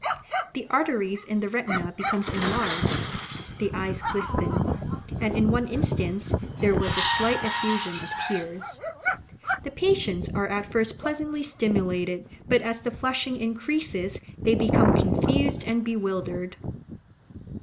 The arteries in the retina become enlarged; the eyes glisten, and in one instance there was a slight effusion of tears. The patients are at first pleasantly stimulated, but, as the flushing increases, they become confused and bewildered.